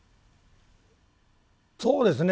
そうですね